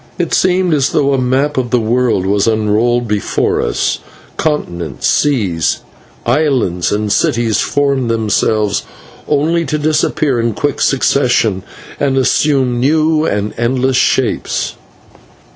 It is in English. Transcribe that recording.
It seemed as though a map of the world was unrolled before us continents, seas, islands, and cities formed themselves, only to disappear in quick succession, and assume new and endless shapes.